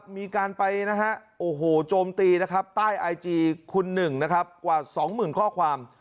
มีการไปโจมตีใต้ไอจีคุณหนึ่งกว่าสองหมื่นข้อความ